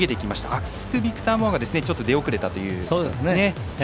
アスクビクターモアがちょっと出遅れたという。